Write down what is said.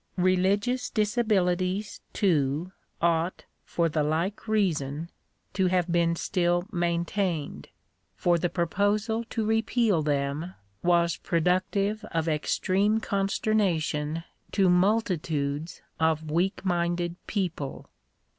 Religious disabilities too ought, for the like reason, to have been still maintained, for the proposal to repeal them was productive of extreme consternation to multitudes of weak minded people.